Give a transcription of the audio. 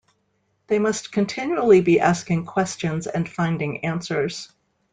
They must continually be asking questions and finding answers.